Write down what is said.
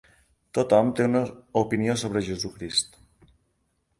Tothom té una opinió sobre Jesucrist.